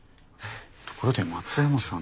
ところで松山さんて。